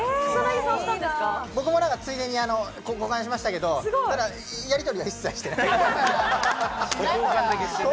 僕もついでに交換しましたけど、やり取りは一切していない。